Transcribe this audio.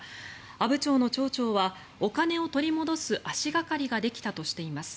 阿武町の町長はお金を取り戻す足掛かりができたとしています。